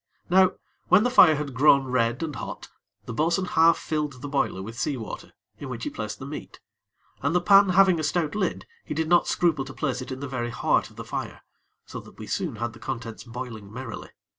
Now when the fire had grown red and hot, the bo'sun half filled the boiler with sea water, in which he placed the meat; and the pan, having a stout lid, he did not scruple to place it in the very heart of the fire, so that soon we had the contents boiling merrily.